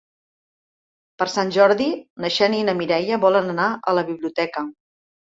Per Sant Jordi na Xènia i na Mireia volen anar a la biblioteca.